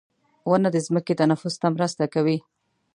• ونه د ځمکې تنفس ته مرسته کوي.